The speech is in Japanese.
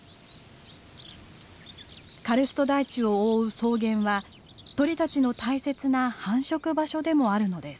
カルスト台地を覆う草原は鳥たちの大切な繁殖場所でもあるのです。